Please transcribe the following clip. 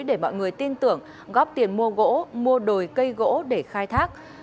để mọi người tin tưởng góp tiền mua gỗ mua đồi cây gỗ để khai thác